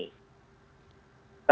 tentunya kalau saya katakan untuk mengajar